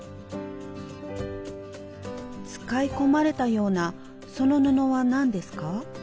使い込まれたようなその布は何ですか？